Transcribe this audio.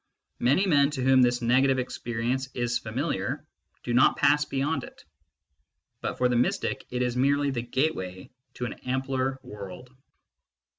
Many men to whom this negative experience is familiar do not pass beyond it, but for the mystic it is merely the gateway to an ampler world.